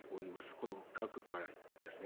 この額からいってですね。